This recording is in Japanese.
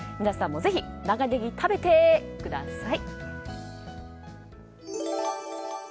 皆さんもぜひ長ネギ食べてください！